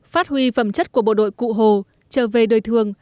phát huy phẩm chất của bộ đội cụ hồ trở về đời thường